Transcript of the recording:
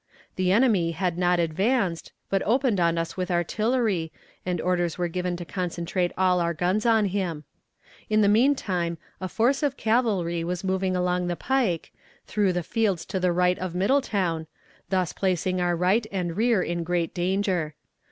The enemy had not advanced, but opened on us with artillery, and orders were given to concentrate all our guns on him. In the mean time a force of cavalry was moving along the pike, through the fields to the right of Middletown, thus placing our right and rear in great danger.